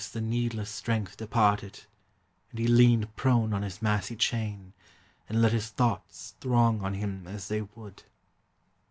_] The needless strength departed, and he leaned Prone on his massy chain, and let his thoughts Throng on him as they would.